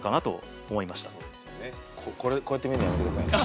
こうやって見るのやめて下さいね。